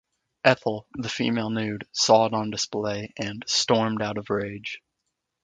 Ethel, the female nude, saw it on display and "stormed out of rage".